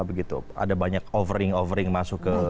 begitu ada banyak overing overing masuk ke